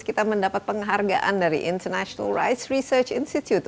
kita mendapat penghargaan dari international rice research institute